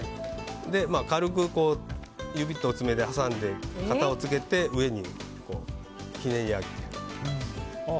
軽く指と爪で挟んで型をつけて上にひねり上げる。